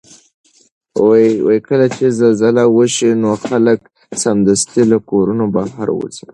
کله چې زلزله وشي نو خلک سمدستي له کورونو بهر وځي.